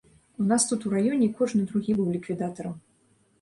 У нас тут у раёне кожны другі быў ліквідатарам.